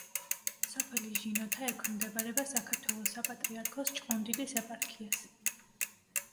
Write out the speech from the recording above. სოფელი ჟინოთა ექვემდებარება საქართველოს საპატრიარქოს ჭყონდიდის ეპარქიას.